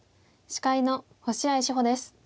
司会の星合志保です。